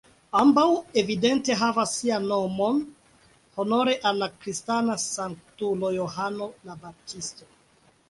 Ambaŭ evidente havas sian nomon honore al la kristana sanktulo Johano la Baptisto.